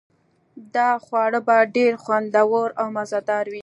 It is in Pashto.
دا خواړه به ډیر خوندور او مزه دار وي